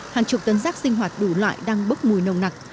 hàng chục tấn rác sinh hoạt đủ loại đang bốc mùi nồng nặc